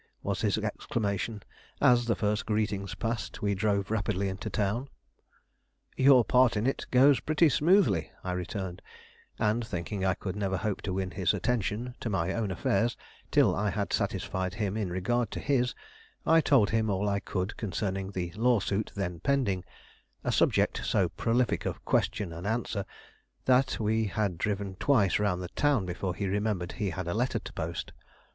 was his exclamation as, the first greetings passed, we drove rapidly into town. "Your part in it goes pretty smoothly," I returned; and thinking I could never hope to win his attention to my own affairs till I had satisfied him in regard to his, I told him all I could concerning the law suit then pending; a subject so prolific of question and answer, that we had driven twice round the town before he remembered he had a letter to post.